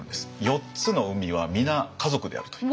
４つの海は皆家族であるという。